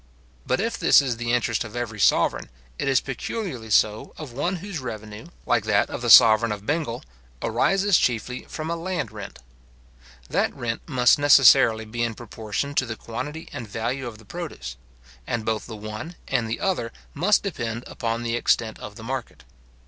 But if this is the interest of every sovereign, it is peculiarly so of one whose revenue, like that of the sovereign of Bengal, arises chiefly from a land rent. That rent must necessarily be in proportion to the quantity and value of the produce; and both the one and the other must depend upon the extent of the market.